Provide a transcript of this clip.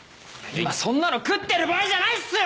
今そんなの食ってる場合じゃないっすよ！